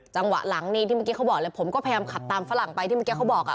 จังหวะหลังนี่ที่เมื่อกี้เขาบอกเลยผมก็พยายามขับตามฝรั่งไปที่เมื่อกี้เขาบอกอ่ะ